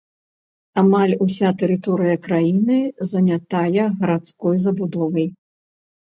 Амаль уся тэрыторыя краіны занятая гарадской забудовай.